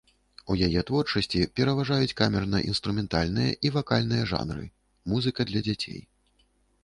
У яе творчасці пераважаюць камерна-інструментальныя і вакальныя жанры, музыка для дзяцей.